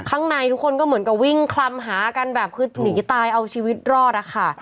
ข้างในทุกคนก็เหมือนกับวิ่งคลำหากันแบบคือหนีตายเอาชีวิตรอดอะค่ะ